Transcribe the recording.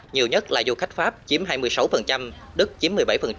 nhiều nhất là du khách pháp chiếm hai mươi sáu đức chiếm một mươi bảy